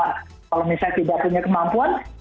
kalau misalnya tidak punya kemampuan